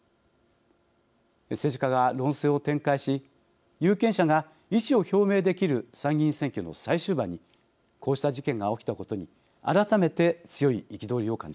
政治家が論戦を展開し有権者が意思を表明できる参議院選挙の最終盤にこうした事件が起きたことに改めて強い憤りを感じます。